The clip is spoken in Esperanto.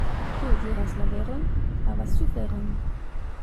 Kiu diras la veron, havas suferon.